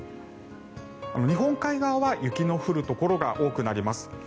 日本海側は雪の降るところが多くなります。